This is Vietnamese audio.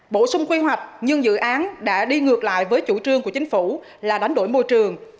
bổ sung quy hoạch nhưng dự án đã đi ngược lại với chủ trương của chính phủ là đánh đổi môi trường